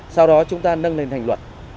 sau đó chúng ta nâng lên thành luật